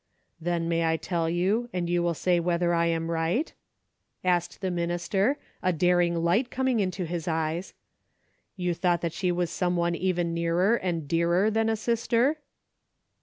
"Then may I tell you and you will say whether I am right ?" asked the minister, a daring light coming into his eyes. "You thought that she was some one even nearer, and dearer than a sister